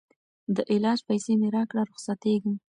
د علاج پیسې مي راکړه رخصتېږم